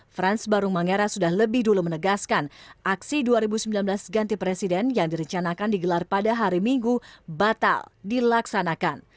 frans barung mangera sudah lebih dulu menegaskan aksi dua ribu sembilan belas ganti presiden yang direncanakan digelar pada hari minggu batal dilaksanakan